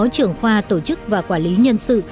trưởng khoa tổ chức và quản lý nhân sự